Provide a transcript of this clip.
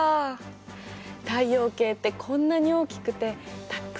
太陽系ってこんなに大きくてたくさん天体があるんだね！